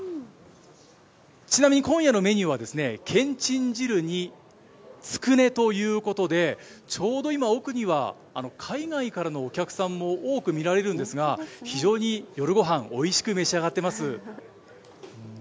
ちなみに今夜のメニューは、けんちん汁につくねということで、ちょうど今、奥には海外からのお客さんも多く見られるんですが、非常に夜ごはん、おいしく召し上がってます。